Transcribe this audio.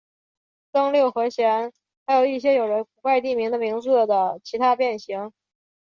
增六和弦还有一些有着古怪地名的名字的其他变形。